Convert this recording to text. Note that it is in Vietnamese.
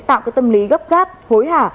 tạo cái tâm lý gấp gáp hối hả